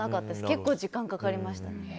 結構時間がかかりました。